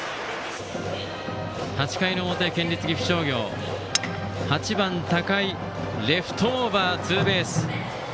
８回の表、県立岐阜商業８番、高井がレフトオーバーのツーベース。